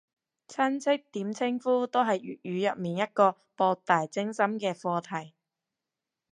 親戚點稱呼都係粵語入面一個博大精深嘅課題